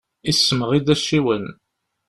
Issemɣi-d acciwen.